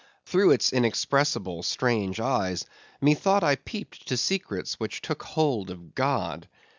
Through its inexpressible, strange eyes, methought I peeped to secrets which took hold of God.